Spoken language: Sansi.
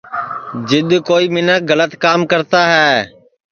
جِد کوئی مینکھ گلت کام کرتا ہے